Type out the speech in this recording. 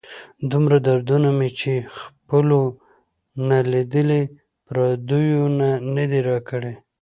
دومره دردونه مې چې خپلو نه لیدلي، پردیو نه دي را کړي.